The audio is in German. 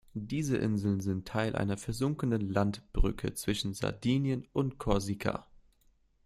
Diese Inseln sind Teil einer versunkenen Landbrücke zwischen Sardinien und Korsika.